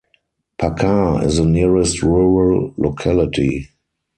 Pakhar is the nearest rural locality.